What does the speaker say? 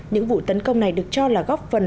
những vụ tấn công này được cho là góp phần